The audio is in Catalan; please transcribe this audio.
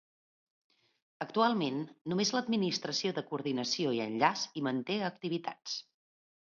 Actualment, només l'Administració de Coordinació i Enllaç hi manté activitats.